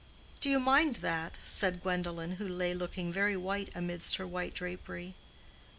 "Do you mind that?" said Gwendolen, who lay looking very white amidst her white drapery.